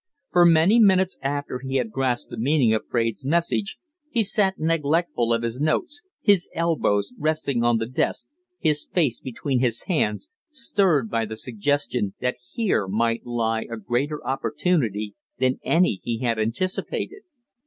For many minutes after he had grasped the meaning of Fraide's message he sat neglectful of his notes, his elbows resting on the desk, his face between his hands, stirred by the suggestion that here might lie a greater opportunity than any he had anticipated.